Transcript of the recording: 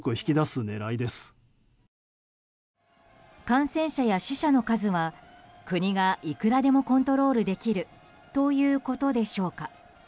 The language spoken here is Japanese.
感染者や死者の数は国がいくらでもコントロールできるということでしょうか。